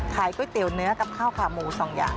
ก๋วยเตี๋ยวเนื้อกับข้าวขาหมูสองอย่าง